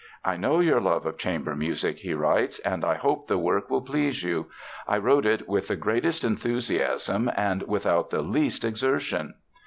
"I know your love of chamber music," he writes, "and I hope the work will please you. I wrote it with the greatest enthusiasm and without the least exertion."